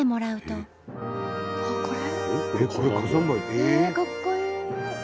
ええかっこいい！